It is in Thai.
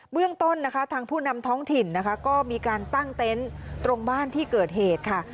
เรื่องต้นนะคะทางผู้นำท้องถิ่นนะคะก็มีการตั้งเต็นต์ตรงบ้านที่เกิดเหตุค่ะ